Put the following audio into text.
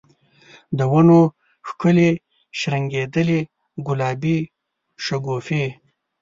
د ونو ښکلي شرنګیدلي ګلابې شګوفي